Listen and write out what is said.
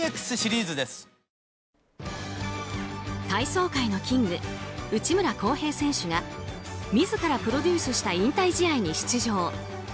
体操界のキング内村航平選手が自らプロデュースした引退試合に出場。